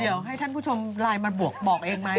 เดี๋ยวให้ท่านผู้ชมไลน์มาบวกบอกเองไหม